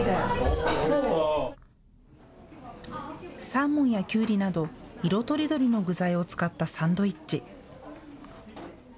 サーモンやキュウリなど色とりどりの具材を使ったサンドイッチ。